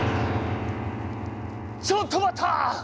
ちょっと待った！